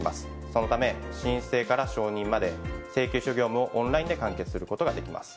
そのため申請から承認まで請求書業務をオンラインで完結することができます。